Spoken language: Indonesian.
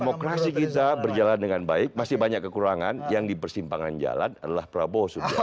demokrasi kita berjalan dengan baik masih banyak kekurangan yang dipersimpangan jalan adalah prabowo subianto